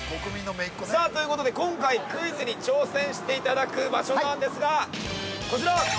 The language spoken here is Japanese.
◆ということ利用の今回クイズに挑戦していただく場所なんですがこちら！